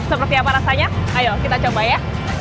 seperti apa rasanya ayo kita coba ya